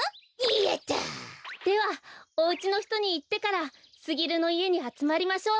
やった！ではおうちのひとにいってからすぎるのいえにあつまりましょう。